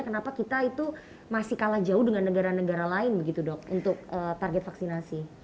kenapa kita itu masih kalah jauh dengan negara negara lain begitu dok untuk target vaksinasi